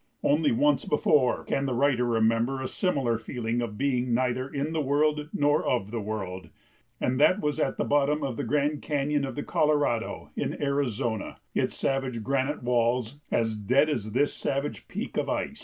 Only once before can the writer remember a similar feeling of being neither in the world nor of the world, and that was at the bottom of the Grand Cañon of the Colorado, in Arizona, its savage granite walls as dead as this savage peak of ice.